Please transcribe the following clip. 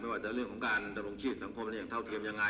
ว่าจะเรื่องของการดำรงชีพสังคมเนี่ยเท่าเทียมยังไง